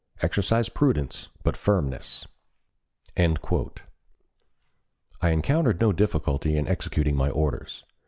Exercise prudence but firmness." I encountered no difficulty in executing my orders.